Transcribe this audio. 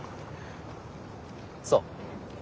そう。